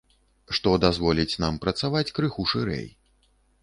Што дазволіць нам працаваць крыху шырэй.